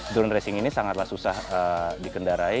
drone racing ini sangatlah susah dikendarai